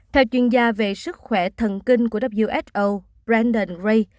theo chuyên gia về sức khỏe thần kinh của who brandon ray